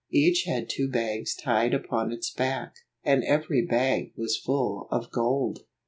Each had two bags tied upon its back, and every bag was full of gold.